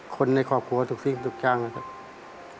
คนในครอบครัวทุกสิ่งทุกอย่างนะครับ